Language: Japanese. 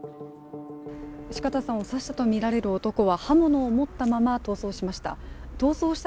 四方さんを刺したとみられる男は刃物を持ったまま逃走しました。